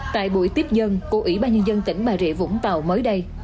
tại buổi tiếp dân của ủy ban nhân dân tỉnh bà rịa vũng tàu mới đây